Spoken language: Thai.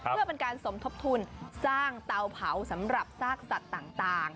เพื่อเป็นการสมทบทุนสร้างเตาเผาสำหรับซากสัตว์ต่าง